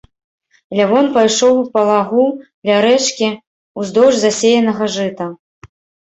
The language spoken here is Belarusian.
Лявон пайшоў па лагу, ля рэчкі, уздоўж засеянага жыта.